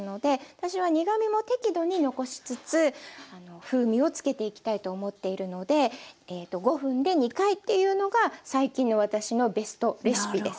私は苦みも適度に残しつつ風味をつけていきたいと思っているので５分で２回というのが最近の私のベストレシピです。